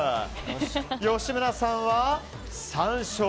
吉村さんは３勝。